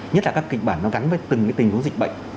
nhất là các kịch bản nó gắn với từng tình huống dịch bệnh